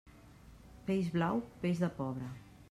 Peix blau, peix de pobre.